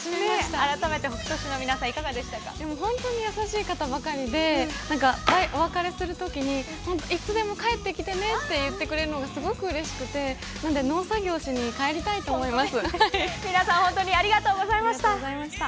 改めて北杜市の皆さん、でも本当に優しい方ばかりで、お別れするときに、いつでも帰ってきてねって言ってくれるのがすごくうれしくて、皆さん、おはようございます。